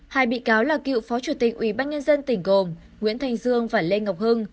hai bị cáo là cựu phó chủ tịch ủy ban nhân dân tỉnh gồm nguyễn thành dương và lê ngọc hưng